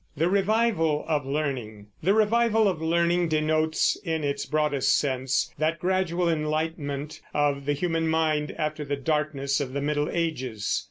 THE REVIVAL OF LEARNING. The Revival of Learning denotes, in its broadest sense, that gradual enlightenment of the human mind after the darkness of the Middle Ages.